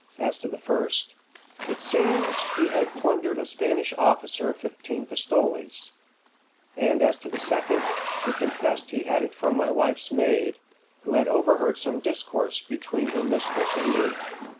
As to the first, it seems he had plundered a Spanish officer of fifteen pistoles; and as to the second, he confessed he had it from my wife's maid, who had overheard some discourse between her mistress and me.